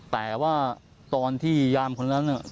แต่ว่าตอนที่ยามคนนั้นเนี่ย